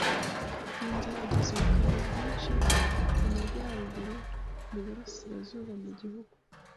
Iyo nzara yagize ubukana bwinshi mu Majyaruguru, mu Burasirazuba mu gihugu